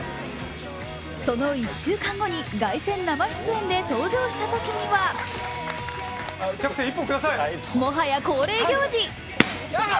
その１週間後に、凱旋生出演で登場したときにはもはや恒例行事。